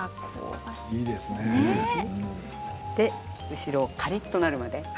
後ろカリっとなるまで。